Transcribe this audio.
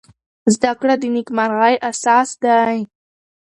زده کړه د نېکمرغۍ اساس دی.